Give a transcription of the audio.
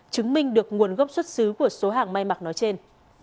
chứng minh được nguồn gốc xuất xứ của số hàng may mặc nói trên